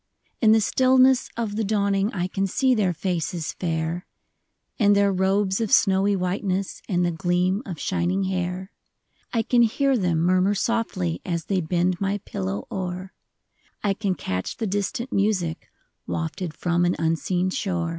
In the stillness of the dawning I can see their faces fair, And their robes of snowy whiteness, And the gleam of shining hair ; I can hear them murmur softly As they bend my pillow o'er ; I can catch the distant music Wafted from an unseen shore.